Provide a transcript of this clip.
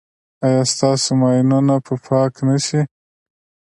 ایا ستاسو ماینونه به پاک نه شي؟